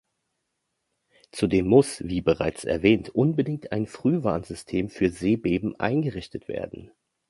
Zudem muss, wie bereits erwähnt, unbedingt ein Frühwarnsystem für Seebeben eingerichtet werden.